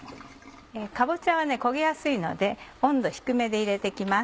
かぼちゃは焦げやすいので温度低めで入れて行きます。